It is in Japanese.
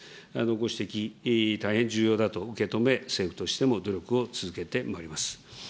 ご指摘、大変重要だと受け止め、政府としても努力を続けてまいります。